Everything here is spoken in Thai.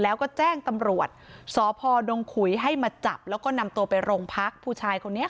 แล้วก็แจ้งตำรวจสพดงขุยให้มาจับแล้วก็นำตัวไปโรงพักผู้ชายคนนี้